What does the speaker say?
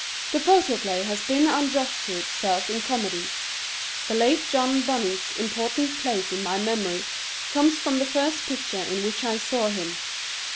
The photoplay has been unjust to itself in comedies. The late John Bunny's important place in my memory comes from the first picture in which I saw him.